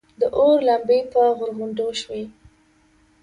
د اور لمبې پر غرغنډو شوې.